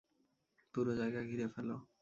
পুরো জায়গা ঘিরে ফেলো।